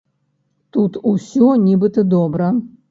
Тут усё, нібыта, добра.